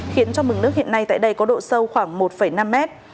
khiến trong bừng nước hiện nay tại đây có độ sâu khoảng một năm mét